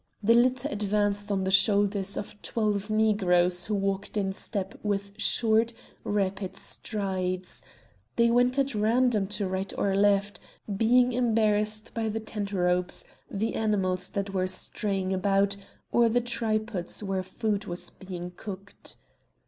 The litter advanced on the shoulders of twelve Negroes who walked in step with short, rapid strides; they went at random to right or left, being embarrassed by the tent ropes, the animals that were straying about, or the tripods where food was being cooked.